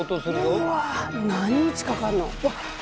うわっ何日かかんの？